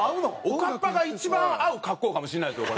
おかっぱが一番合う格好かもしれないですよ